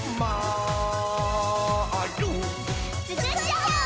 つくっちゃおう！